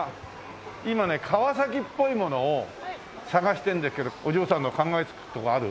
今ね川崎っぽいものを探してんですけどお嬢さんの考えつくとこある？